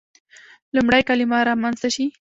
لومړی کلمه رامنځته شي.